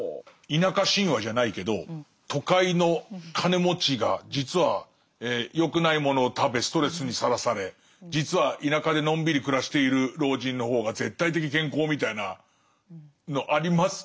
田舎神話じゃないけど都会の金持ちが実は良くないものを食べストレスにさらされ実は田舎でのんびり暮らしている老人の方が絶対的健康みたいなのありますけど。